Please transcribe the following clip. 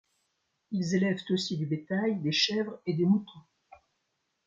Ils élèvent aussi du bétail, des chèvres et des moutons.